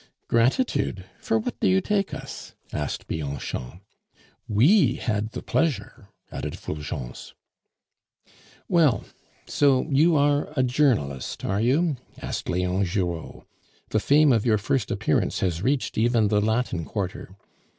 "Gratitude! For what do you take us?" asked Bianchon. "We had the pleasure," added Fulgence. "Well, so you are a journalist, are you?" asked Leon Giraud. "The fame of your first appearance has reached even the Latin Quarter."